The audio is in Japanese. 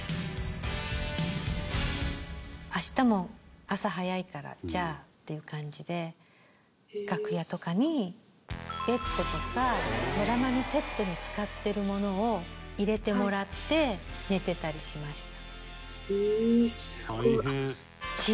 「明日も朝早いからじゃあ」っていう感じで楽屋とかにベッドとかドラマのセットに使ってるものを入れてもらって寝てたりしました。